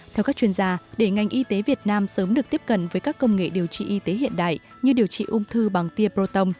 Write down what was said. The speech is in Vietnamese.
theo các chuyên gia để ngành y tế việt nam sớm được tiếp cận với các công nghệ điều trị y tế hiện đại như điều trị ung thư bằng tia proton